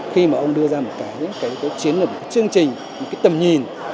khi mà ông đưa ra một cái chiến lược một cái chương trình một cái tầm nhìn